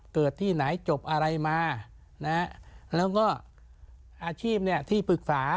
เกิดที่ไหนจบอะไรมานะฮะแล้วก็อาชีพเนี่ยที่ปรึกษา